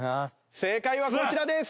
正解はこちらです。